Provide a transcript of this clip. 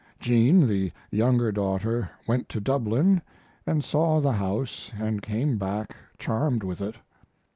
Jean, the younger daughter, went to Dublin & saw the house & came back charmed with it.